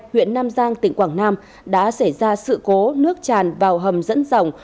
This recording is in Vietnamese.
huyện nam giang tỉnh quảng nam đã xảy ra sự cố nước chàn vào hầm dẫn rộng